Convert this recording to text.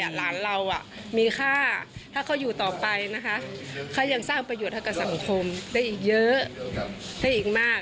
หลานเรามีค่าถ้าเขาอยู่ต่อไปนะคะเขายังสร้างประโยชน์ให้กับสังคมได้อีกเยอะได้อีกมาก